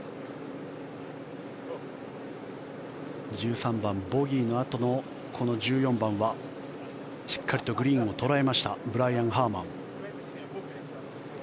１３番、ボギーのあとのこの１４番はしっかりとグリーンを捉えましたブライアン・ハーマン。